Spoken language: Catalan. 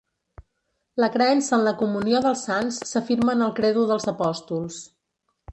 La creença en la comunió dels sants s'afirma en el Credo dels Apòstols.